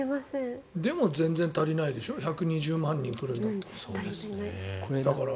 でも全然足りないでしょ１２０万人来るんだったら。